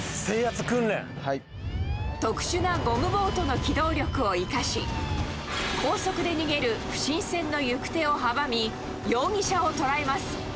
特殊なゴムボートの機動力を生かし、高速で逃げる不審船の行く手を阻み、容疑者を捉えます。